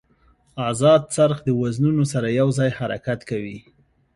ازاد څرخ د وزنونو سره یو ځای حرکت کوي.